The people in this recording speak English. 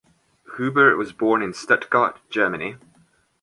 Huber was born in Stuttgart, Germany.